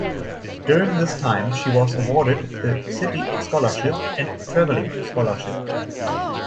During this time she was awarded the City Scholarship and Travelling Scholarship.